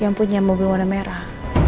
yang punya mobil warna merah